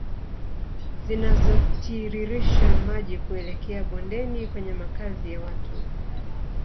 Zinazotiririsha maji kuelekea bondeni kwenye makazi ya watu